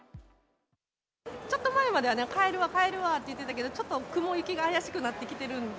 ちょっと前までは帰るわ、帰るわって言ってたけど、ちょっと雲行きがあやしくなってきてるんで。